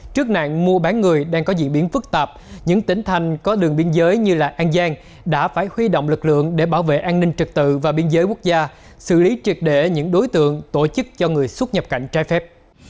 trước nạn mua bán người đang có diễn biến phức tạp những tỉnh thành có đường biên giới như an giang đã phải huy động lực lượng để bảo vệ an ninh trực tự và biên giới quốc gia xử lý triệt để những đối tượng tổ chức cho người xuất nhập cảnh trái phép